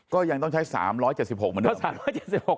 ก็ยังต้องใช้๓๗๖เหมือนเดิม